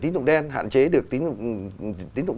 tín dụng đen hạn chế được tín dụng